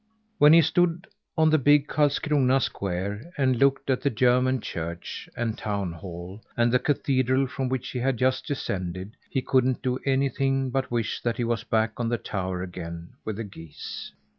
When he stood on the big Karlskrona square, and looked at the German church, and town hall, and the cathedral from which he had just descended, he couldn't do anything but wish that he was back on the tower again with the geese.